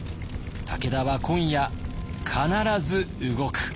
武田は今夜必ず動く。